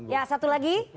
ya satu lagi